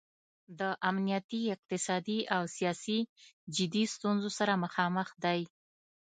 د امنیتي، اقتصادي او سیاسي جدي ستونځو سره مخامخ دی.